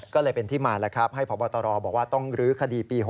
ก็เลยเป็นที่มาแล้วครับให้พบตรบอกว่าต้องลื้อคดีปี๖๐